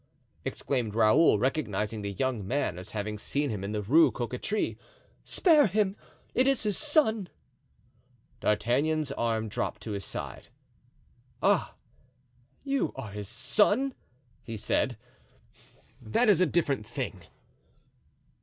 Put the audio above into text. exclaimed Raoul, recognizing the young man as having seen him in the Rue Cocatrix, "spare him! it is his son!" D'Artagnan's arm dropped to his side. "Ah, you are his son!" he said; "that is a different thing."